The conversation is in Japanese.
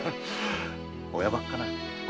親ばかかな？